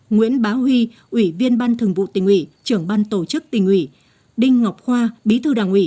nguyễn bá huy ủy viên ban thường vụ tỉnh ủy trưởng ban tổ chức tỉnh ủy đinh ngọc khoa bí thư đảng ủy